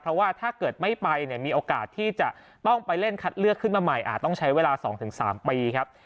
เพราะว่าถ้าเกิดไม่ไปเนี่ยมีโอกาสที่จะต้องไปเล่นคัดเลือกขึ้นมาใหม่อาจต้องใช้เวลา๒๓ปีครับ